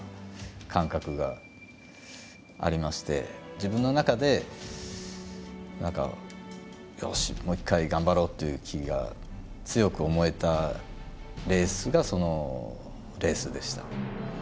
自分の中で何か「よしもう一回頑張ろう」という気が強く思えたレースがそのレースでした。